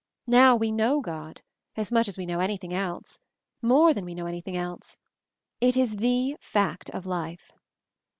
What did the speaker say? Now we know God, as much as we know anything else — more than we know anything else — it is The Fact of Life.